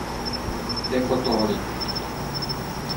— Декоторі.